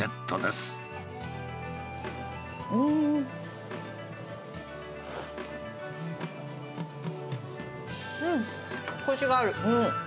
うん、こしがある。